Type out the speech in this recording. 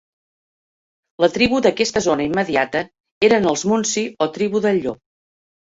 La tribu d'aquesta zona immediata eren els munsee o Tribu del Llop.